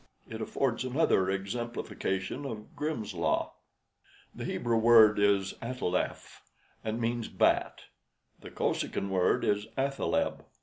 It affords another exemplification of 'Grimm's Law.' The Hebrew word is 'ataleph,' and means bat. The Kosekin word is 'athaleb.'